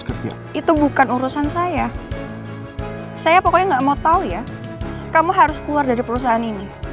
kerja itu bukan urusan saya saya pokoknya nggak mau tahu ya kamu harus keluar dari perusahaan ini